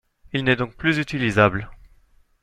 Il n'est donc plus utilisable.